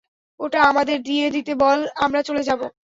ওটা আমাদের দিয়ে দিতে বল, আমরা চলে যাবো।